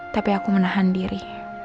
tapi aku menahan diri